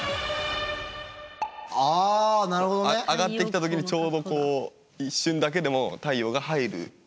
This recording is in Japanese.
あなるほどね。上がってきた時にちょうどこう一瞬だけでも太陽が入る。